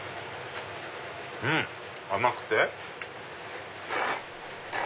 うん！甘くて。